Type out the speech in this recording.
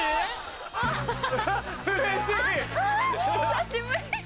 久しぶり！